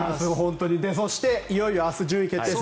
そして、いよいよ明日順位決定戦。